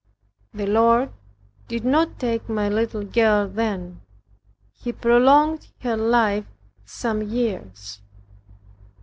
The Lord did not take my little girl then. He prolonged her life some years.